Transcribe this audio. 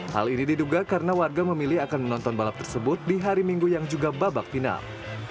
hal ini diduga karena warga memilih akan menonton balap tersebut di hari minggu yang juga babak final